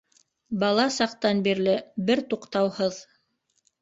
Бала саҡтан бирле, бер туҡтауһыҙ.